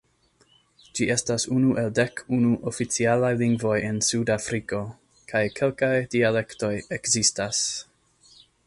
Ĝi estas unu el dek unu oficialaj lingvoj en Sud-Afriko, kaj kelkaj dialektoj ekzistas.